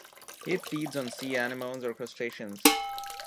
It feeds on sea anemones or crustaceans.